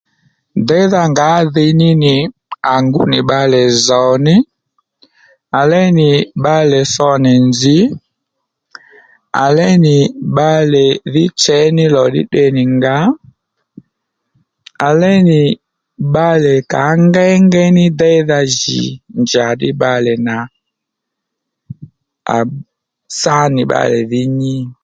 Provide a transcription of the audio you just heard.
Déydha ngǎ ddiy ní nì à ngu nì bbalè zòw ní à léy nì bbalè so nì tho nì nzǐ à léy nì bbalè dhí chěy ní lò ddí tde nì ngǎ à léy nì bbalè kǎ ngéyngéy ní déydha jì njàddí bbalè nà à sa nì bbalè dhí nyí